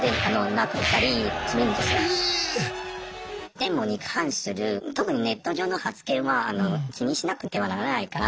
デモに関する特にネット上の発言はあの気にしなくてはならないから。